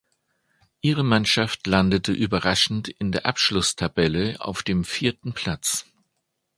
Ihre Mannschaft landete überraschend in der Abschlusstabelle auf dem vierten Platz.